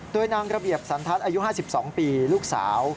โดยนางระเบียบสันทัศน์อายุ๕๒ปีลูกสาว